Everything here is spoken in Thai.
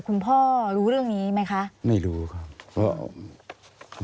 คุณพ่อรู้เรื่องนี้ไหมคะไม่รู้ครับเพราะ